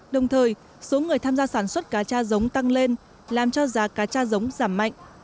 đồng thời số người tham gia sản xuất cá cha giống tăng lên làm cho giá cá cha giống giảm mạnh